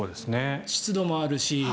湿度もあるし。